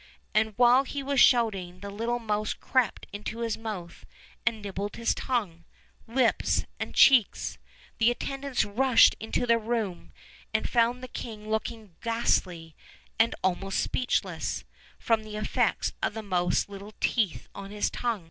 And while he was shouting the little mouse crept into his mouth, and nibbled his tongue, lips, and cheeks. The attendants rushed into the room, and found the king looking ghastly, and almost speechless, from the effect? of the mouse's little teeth on his tongue.